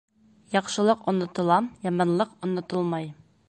Яҡшылыҡ онотола, яманлыҡ онотолмай.